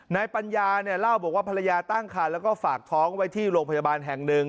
ปัญญาเนี่ยเล่าบอกว่าภรรยาตั้งคันแล้วก็ฝากท้องไว้ที่โรงพยาบาลแห่งหนึ่ง